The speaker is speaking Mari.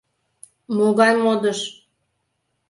— Могай модыш?